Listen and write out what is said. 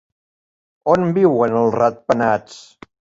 On viuen els ratpenats?